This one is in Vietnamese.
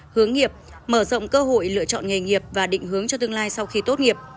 hướng nghiệp mở rộng cơ hội lựa chọn nghề nghiệp và định hướng cho tương lai sau khi tốt nghiệp